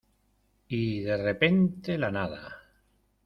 y, de repente , la nada